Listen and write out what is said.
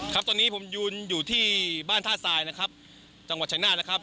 ครับตอนนี้ผมยืนอยู่ที่บ้านท่าทรายนะครับจังหวัดชายนาฏนะครับ